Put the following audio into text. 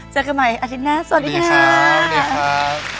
เจอกันใหม่อาทิตย์หน้าสวัสดีค่ะสวัสดีค่ะสวัสดีค่ะ